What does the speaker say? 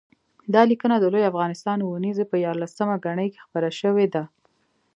دا لیکنه د لوی افغانستان اوونیزې په یارلسمه ګڼه کې خپره شوې ده